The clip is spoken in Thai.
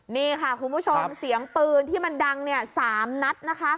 นี่ค่ะคุณผู้ชมเสียงปืนที่ดัง๓นัท